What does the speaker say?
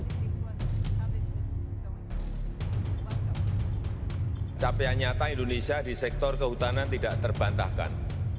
pada saat itu capaian nyata indonesia di sektor kehutanan tidak terbantahkan